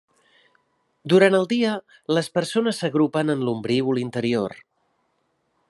Durant el dia les persones s'agrupen en l'ombrívol interior.